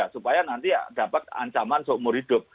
supaya nanti dapat ancaman seumur hidup